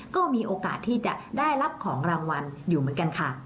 ก็มีโอกาสที่จะได้รับของรางวัลอยู่เหมือนกันค่ะ